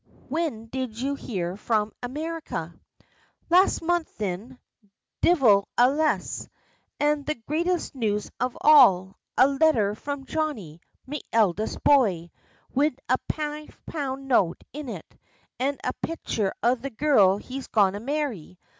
When did you hear from America?" "Last month thin divil a less; an' the greatest news of all! A letther from Johnny me eldest boy wid a five pound note in it, an' a picther of the girl he's goin' to marry.